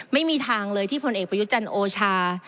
ไม่มีทางเลยที่ผลเอกประยุทธ์จันทร์โอชา